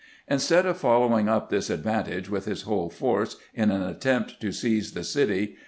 Instead of following up this advantage with his whole force in an attempt to seize the city.